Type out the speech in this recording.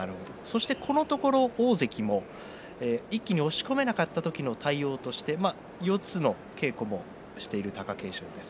このところ大関も一気に押し込めなかった時の対応として四つの稽古もしている貴景勝です。